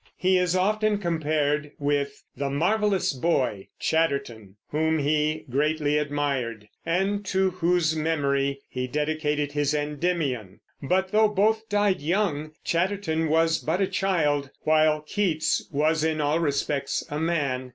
He is often compared with "the marvelous boy" Chatterton, whom he greatly admired, and to whose memory he dedicated his Endymion; but though both died young, Chatterton was but a child, while Keats was in all respects a man.